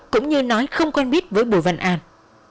cũng như nói không quen biết với bùi văn an